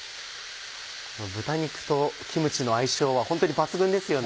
豚肉とキムチの相性はホントに抜群ですよね。